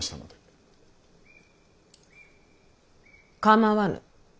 構わぬ。